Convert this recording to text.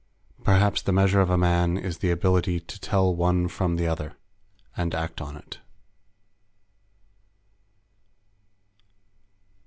Perhaps the measure of a man is the ability to tell one from the other ... and act on it.